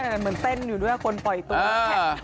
เหมือนเต้นอยู่ด้วยคนปล่อยตัวแข่ง